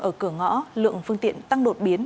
ở cửa ngõ lượng phương tiện tăng đột biến